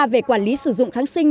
về quản lý sử dụng kháng sinh